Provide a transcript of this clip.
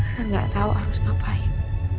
dan gak tau harus ngapain